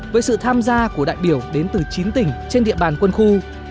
với sự tham gia của đại biểu đến từ chín tỉnh trên địa bàn quân khu